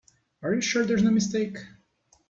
Are you sure there's no mistake?